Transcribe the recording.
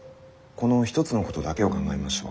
この一つのことだけを考えましょう。